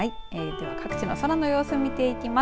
はいでは各地の空の様子見ていきます。